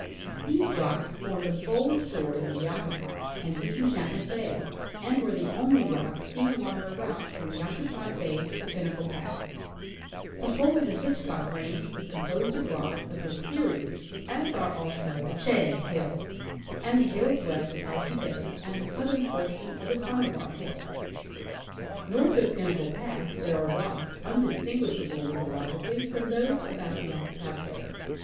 These rocks form the bold shores of Yakutat and Disenchant ment bays, and were the only rocks seen along our route from Yakutat bay to Pinnacle pass. The whole of the Hitchcock range is composed of rocks of this series, as are also the Chaix (167) 168 I. C. Russell — E.qjcdition to Mount St. Ellas. hills and the hills west of Icy bay and the southern portion of the Samovar hills. North of Pinnacle pass there are rocks undis tinguishable lithogically from those about Yakutat bay.